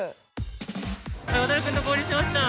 ワタル君と合流しました。